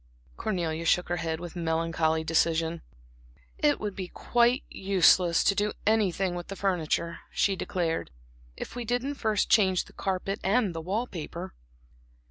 Cornelia shook her head with melancholy decision. "It would be quite useless to do anything with the furniture," she declared, "if we didn't first change the carpet and the wall paper."